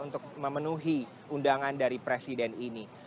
untuk memenuhi undangan dari presiden ini